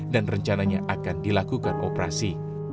dan rencananya akan dilakukan operasi